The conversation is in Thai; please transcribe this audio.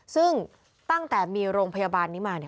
ซึ่งตั้งแต่มีโรงพยาบาลนี้มา